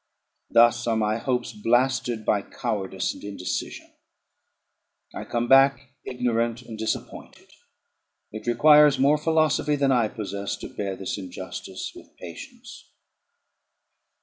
Thus are my hopes blasted by cowardice and indecision; I come back ignorant and disappointed. It requires more philosophy than I possess, to bear this injustice with patience.